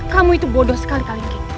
kamu itu bodoh sekali kali